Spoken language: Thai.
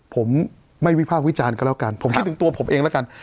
ผมไม่วิภาควิจารณ์ก็แล้วกันผมคิดถึงตัวผมเองแล้วกัน